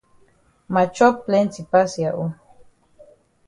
Ma chop plenti pass ya own.